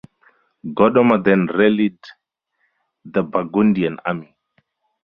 Godomar then rallied the Burgundian army.